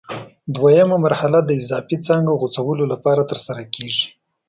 دوه یمه مرحله د اضافي څانګو غوڅولو لپاره ترسره کېږي.